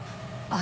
あ！